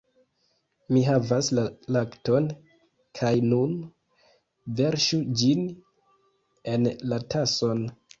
Mi havas la lakton, kaj nun... verŝu ĝin en la tason...